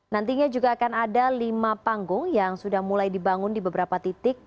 nantinya juga akan ada lima panggung yang sudah mulai dibangun di beberapa titik